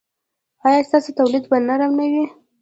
ایا ستاسو تولیه به نرمه نه وي؟